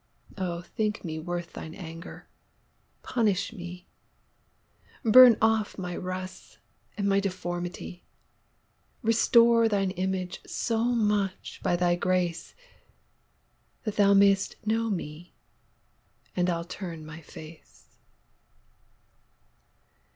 O thinke mee worth thine anger, punish mee. Burne off my rusts, and my deformity, Restore thine Image, so much, by thy grace, That thou may'st know mee, and I'll turne my face.